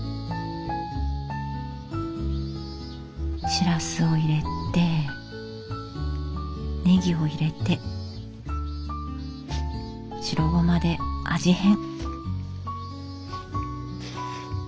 しらすを入れてねぎを入れて白ごまで味変。